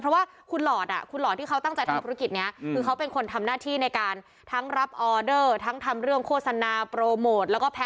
เพราะว่าคุณหลอดอ่ะ